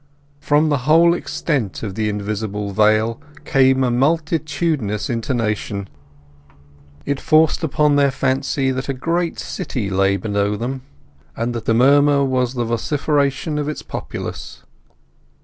From the whole extent of the invisible vale came a multitudinous intonation; it forced upon their fancy that a great city lay below them, and that the murmur was the vociferation of its populace.